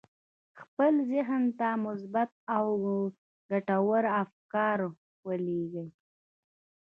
خپل ذهن ته مثبت او ګټور افکار ولېږئ.